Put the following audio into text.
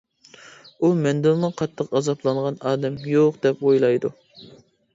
ئۇ مەندىنمۇ قاتتىق ئازابلانغان ئادەم يوق دەپ ئويلايدۇ.